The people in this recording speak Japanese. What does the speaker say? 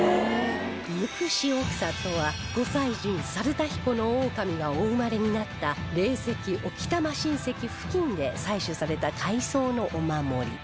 無垢塩草とは御祭神猿田彦大神がお生まれになった霊石興玉神石付近で採取された海草のお守り